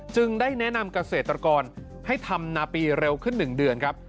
ได้แนะนำเกษตรกรให้ทำนาปีเร็วขึ้น๑เดือนครับ